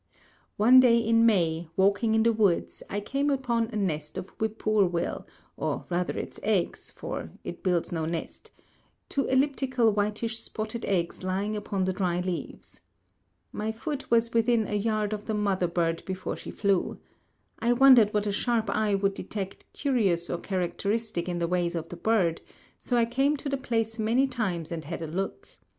One day in May, walking in the woods, I came upon a nest of whippoorwill, or rather its eggs, for it builds no nest, two elliptical whitish spotted eggs lying upon the dry leaves. My foot was within a yard of the mother bird before she flew. I wondered what a sharp eye would detect curious or characteristic in the ways of the bird, so I came to the place many times and had a look.